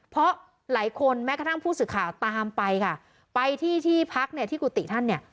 เพราะหลายคนแม้กระทั่งผู้สื่อข่าวตามไปค่ะไปที่ที่พักเนี่ยที่กุฏิท่านเนี่ย